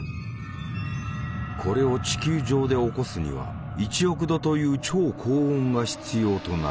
これを地球上で起こすには１億度という超高温が必要となる。